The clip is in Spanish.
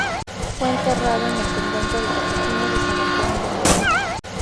Fue enterrado en el convento de capuchinos de San Antonio de Madrid.